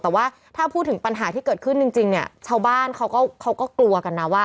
แต่ว่าถ้าพูดถึงปัญหาที่เกิดขึ้นจริงเนี่ยชาวบ้านเขาก็กลัวกันนะว่า